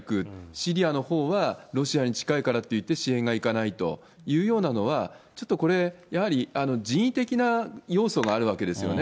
シリアのほうはロシアに近いからといって支援が行かないというようなのは、ちょっとこれ、やはり人為的な要素があるわけですよね。